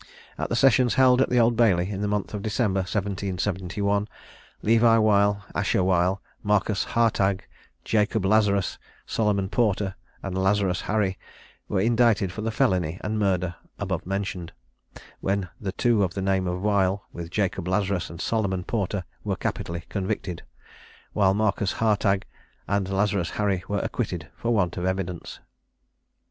At the sessions held at the Old Bailey, in the month of December 1771, Levi Weil, Asher Weil, Marcus Hartagh, Jacob Lazarus, Solomon Porter, and Lazarus Harry, were indicted for the felony and murder above mentioned, when the two of the name of Weil, with Jacob Lazarus and Solomon Porter, were capitally convicted; while Marcus Hartagh and Lazarus Harry were acquitted for want of evidence.